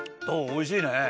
おいしいね！